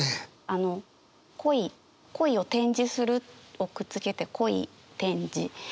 あの恋「恋を展示する」をくっつけて「恋展示」。